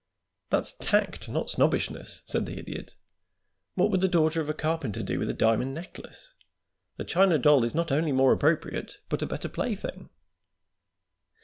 "That's tact, not snobbishness," said the Idiot. "What would the daughter of a carpenter do with a diamond necklace? The china doll is not only more appropriate, but a better plaything."